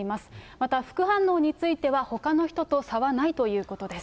また副反応についてはほかの人と差はないということです。